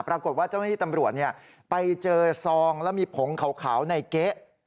ปรากฏว่าเจ้าหน้าที่ตำรวจไปเจอซองแล้วมีผงขาวในเก๊ะ